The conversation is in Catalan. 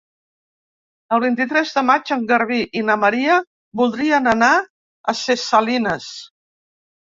El vint-i-tres de maig en Garbí i na Maria voldrien anar a Ses Salines.